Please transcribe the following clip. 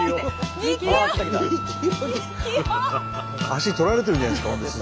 足取られてるじゃないですか砂。